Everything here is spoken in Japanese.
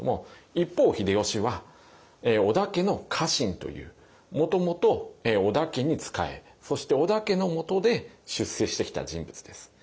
一方秀吉は織田家の家臣というもともと織田家に仕えそして織田家のもとで出世してきた人物です。